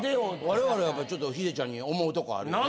我々やっぱちょっとヒデちゃんに思うとこあるよね。